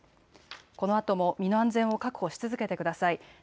このあとも身の安全を確保し続けてください。